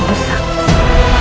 putraku alang semesta